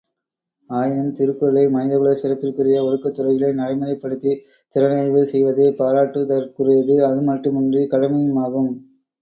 ஆயினும் திருக்குறளை மனிதகுலச் சிறப்பிற்குரிய ஒழுக்கத்துறைகளில் நடை முறைப்படுத்தித் திறனாய்வு செய்வதே பாராட்டுதற்குரியது அதுமட்டுமன்று கடமையுமாகும்.